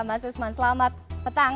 mas usman selamat petang